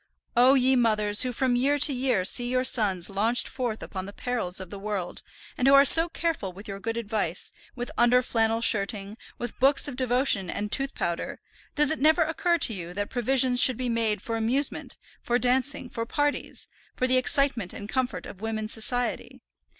O ye mothers who from year to year see your sons launched forth upon the perils of the world, and who are so careful with your good advice, with under flannel shirting, with books of devotion and tooth powder, does it never occur to you that provision should be made for amusement, for dancing, for parties, for the excitement and comfort of women's society?